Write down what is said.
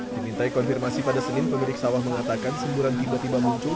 dimintai konfirmasi pada senin pemilik sawah mengatakan semburan tiba tiba muncul